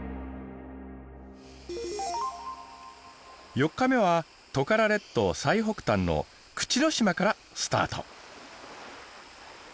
４日目はトカラ列島最北端の口之島からスタート。